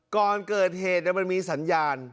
ก่อนเกิดเหตุมันมีสัญญาณ